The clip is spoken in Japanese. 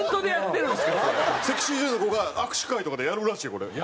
セクシー女優の子が握手会とかでやるらしいよこれ。